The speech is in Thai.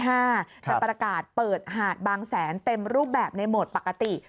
จะประกาศเปิดหาดบางแสนเต็มรูปแบบในโหมดปกติ